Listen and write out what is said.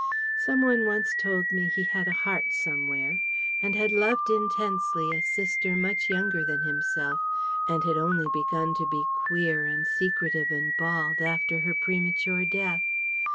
Some one once told me he had a heart somewhere and had loved intensely a sister much younger than himself and had only begun to be "queer" and secretive and bald after her premature death.